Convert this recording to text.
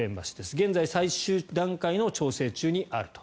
現在最終段階の調整中にあると。